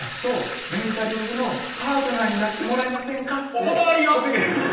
「お断りよ！」